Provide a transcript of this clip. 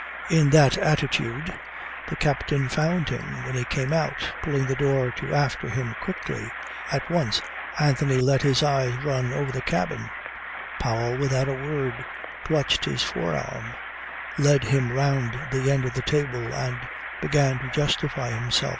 In that attitude the captain found him, when he came out, pulling the door to after him quickly. At once Anthony let his eyes run all over the cabin. Powell, without a word, clutched his forearm, led him round the end of the table and began to justify himself.